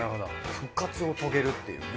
復活を遂げるっていうね。